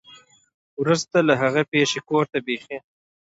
ورورسته له هغې پېښې کور ته بېخي